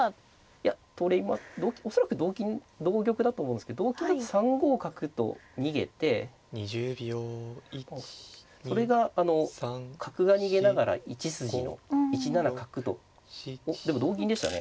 いや恐らく同玉だと思うんですけど同金だと３五角と逃げてそれがあの角が逃げながら１筋の１七角とおっでも同金でしたね。